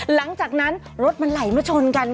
หลังจากนั้นรถมันไหลมาชนกัน